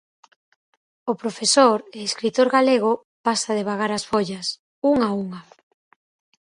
O profesor e escritor galego pasa de vagar as follas, unha a unha.